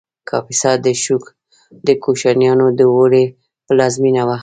کاپیسا د کوشانیانو د اوړي پلازمینه وه